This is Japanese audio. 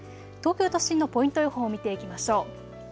東京都心のポイント予報見ていきましょう。